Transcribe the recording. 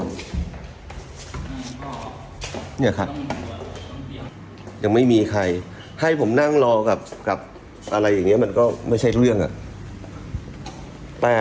เนี่ยครับยังไม่มีใครให้ผมนั่งรอกับอะไรอย่างนี้มันก็ไม่ใช่เรื่องอ่ะ